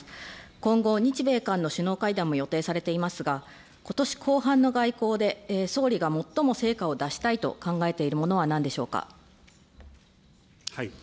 今後、日米韓の首脳会談も予定されていますが、ことし後半の外交で、総理が最も成果を出したいと考えているものはなんでしょうか。